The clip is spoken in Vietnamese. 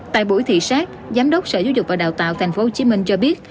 tại buổi thị xác giám đốc sở giáo dục và đào tạo tp hcm cho biết